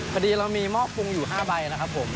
พอดีเรามีหม้อปรุงอยู่๕ใบนะครับผม